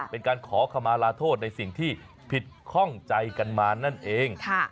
เป็นการขอขมาลาโทษในสิ่งที่ผิดข้องใจกันมานั่นเอง